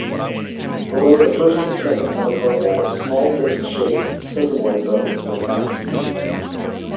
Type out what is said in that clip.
Below the first and second metacarpal small disc-shaped sesamoid bones were found.